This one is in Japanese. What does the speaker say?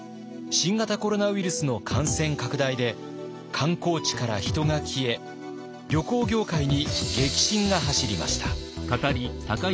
新型コロナウイルスの感染拡大で観光地から人が消え旅行業界に激震が走りました。